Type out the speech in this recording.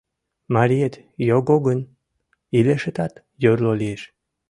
— Мариет його гын, илышетат йорло лиеш.